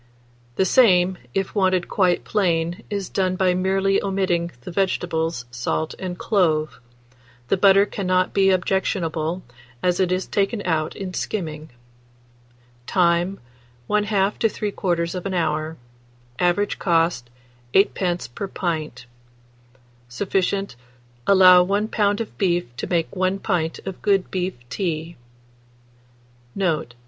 The same, if wanted quite plain, is done by merely omitting the vegetables, salt, and clove; the butter cannot be objectionable, as it is taken out in skimming. Time. 1/2 to 3/4 hour. Average cost, 8d. per pint. Sufficient. Allow 1 lb. of beef to make 1 pint of good beef tea. Note.